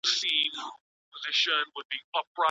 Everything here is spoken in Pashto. ولي هڅاند سړی د هوښیار انسان په پرتله بریا خپلوي؟